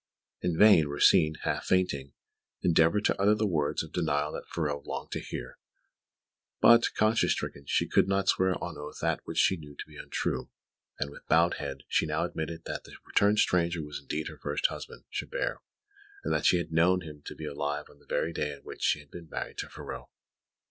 In vain Rosine, half fainting, endeavoured to utter the words of denial that Ferraud longed to hear; but, conscience stricken, she could not swear on oath that which she knew to be untrue, and, with bowed head, she now admitted that the returned stranger was indeed her first husband, Chabert, and that she had known him to be alive on the very day on which she had been married to Ferraud.